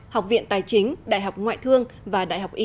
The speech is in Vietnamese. học viện tài chính đại học ngoại thương và đại học y